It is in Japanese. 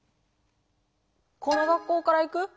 この学校から行く？